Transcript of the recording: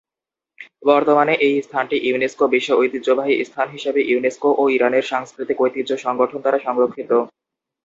বর্তমানে এই স্থানটি ইউনেস্কো বিশ্ব ঐতিহ্যবাহী স্থান হিসেবে ইউনেস্কো ও ইরানের সাংস্কৃতিক ঐতিহ্য সংগঠন দ্বারা সংরক্ষিত।